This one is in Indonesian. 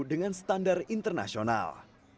dengan standar internasional